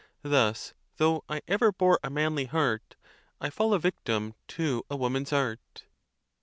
Thus, though I ever bore a manly heart, I fall a victim to a woman's art.